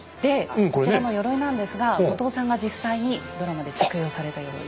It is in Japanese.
こちらの鎧なんですが後藤さんが実際にドラマで着用された鎧。